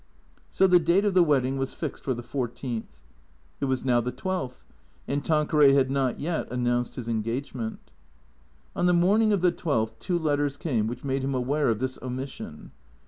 So the date of the wedding was fixed for the fourteenth. It was now the twelfth, and Tanqueray had not yet an nounced his engagement. On the morning of the twelfth two letters came which made him aware of this omission.